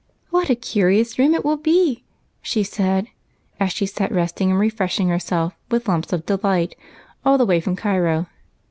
" What a curious room it will be," she said, as she sat resting and refreshing herself with "Lumps of Delight," all the way from Cairo.